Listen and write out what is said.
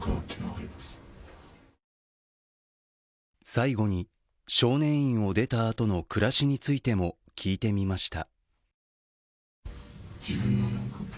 最後に少年院を出たあとの暮らしについても聞いてみました。